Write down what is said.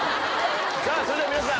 さぁそれでは皆さん